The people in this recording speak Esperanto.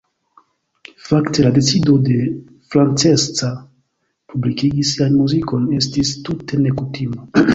Fakte la decido de Francesca publikigi sian muzikon estis tute nekutima.